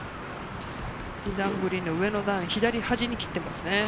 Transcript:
２段グリーンの上の段、左はじに切っていますね。